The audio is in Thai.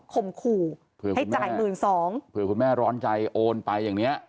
ขู่เผื่อให้จ่ายหมื่นสองเผื่อคุณแม่ร้อนใจโอนไปอย่างเนี้ย